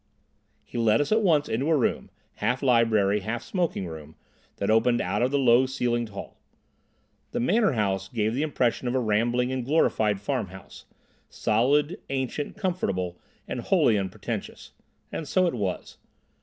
He led us at once into a room, half library, half smoking room, that opened out of the low ceilinged hall. The Manor House gave the impression of a rambling and glorified farmhouse, solid, ancient, comfortable, and wholly unpretentious. And so it was.